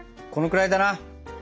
このくらいだな。